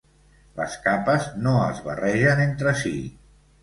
Les capes no es barregen entre si.